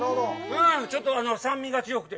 ちょっと酸味が強くて。